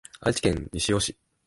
愛知県西尾市